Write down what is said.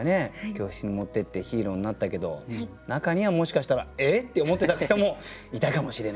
教室に持ってってヒーローになったけど中にはもしかしたら「え！？」って思ってた人もいたかもしれないという。